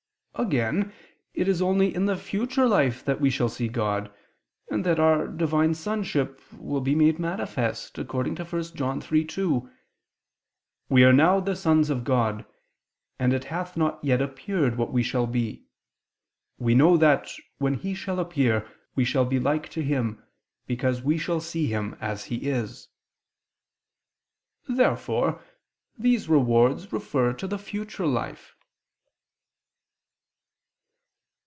Again, it is only in the future life that we shall see God, and that our Divine sonship will be made manifest, according to 1 John 3:2: "We are now the sons of God; and it hath not yet appeared what we shall be. We know that, when He shall appear, we shall be like to Him, because we shall see Him as He is." Therefore these rewards refer to the future life.